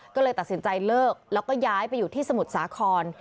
ก็เลยตัดสินใจเลิกแล้วก็ย้ายไปอยู่ที่สมุทรสาคร